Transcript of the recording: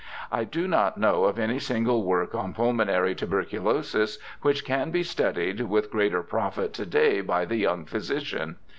I do not know of any single work on pulmonary tuberculosis which can be studied with greater profit to day by the young physician.